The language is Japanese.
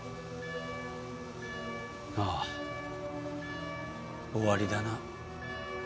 ああ終わりだな。